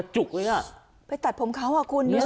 ถูกอย่างนี้ไปตัดผมเขาผู้คุณเหรอ